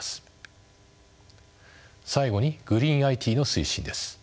最後にグリーンＩＴの推進です。